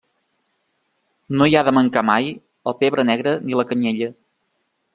No hi ha de mancar mai el pebre negre ni la canyella.